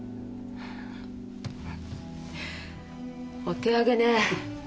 お手上げね。